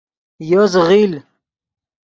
یو زیغیل